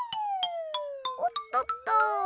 おっとっと！